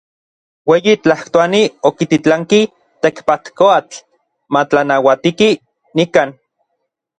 Ueyi Tlajtoani okititlanki Tekpatkoatl matlanauatiki nikan.